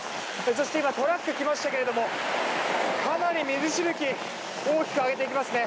そして今トラック、来ましたけれどもかなり水しぶき大きく上げていきますね。